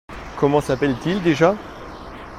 Comment s’appelle-t-il déjà ?